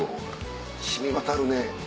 染み渡るね。